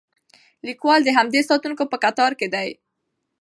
لیکوال د همدې ساتونکو په کتار کې دی.